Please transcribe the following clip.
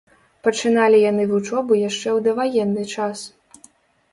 Пачыналі яны вучобу яшчэ ў даваенны час.